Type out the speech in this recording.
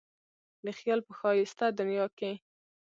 د خیال په ښایسته دنیا کې.